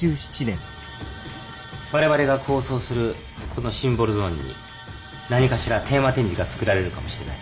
我々が構想するこのシンボルゾーンに何かしらテーマ展示がつくられるかもしれない。